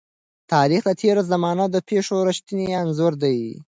تاریخ د تېرو زمانو د پېښو رښتينی انځور دی.